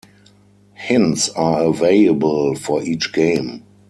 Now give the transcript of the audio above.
Hints are available for each game.